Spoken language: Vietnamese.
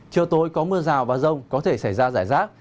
chiều tối có mưa rào và rông có thể xảy ra rải rác